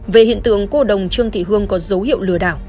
về hiện tượng cô đồng trương thị hương có dấu hiệu lừa đảo